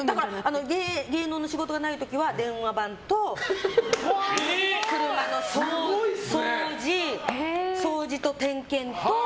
芸能の仕事がない時は電話番と車の掃除と点検と。